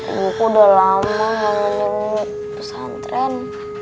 ibuku udah lama gak menunggu pesantren